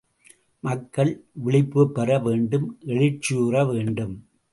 மக்கள் விழிப்புப் பெற வேண்டும் எழுச்சியுற வேண்டும்.